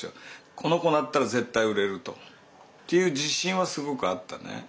この子だったら絶対売れると。という自信はすごくあったね。